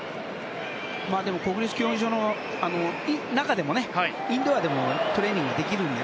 でも国立競技場の中でもインドアでもトレーニングはできるので。